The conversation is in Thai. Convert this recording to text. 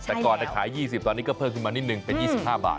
แต่ก่อนขาย๒๐ตอนนี้ก็เพิ่มขึ้นมานิดนึงเป็น๒๕บาท